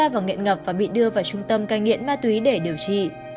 ba mươi một tuổi xa vào nghiện ngập và bị đưa vào trung tâm cai nghiện ma túy để điều trị